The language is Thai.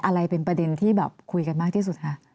ว่าอะไรเป็นประเด็นที่คุยกันมากที่สุดครับ